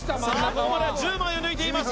ここまで１０枚を抜いています